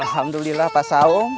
tunggu sebentar ya kang